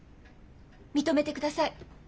認めてください。